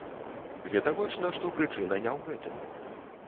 Відавочна, што прычына не ў гэтым.